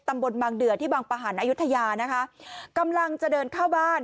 บางเดือที่บางประหารอายุทยานะคะกำลังจะเดินเข้าบ้าน